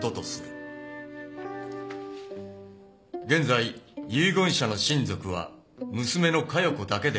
「現在遺言者の親族は娘の加代子だけである」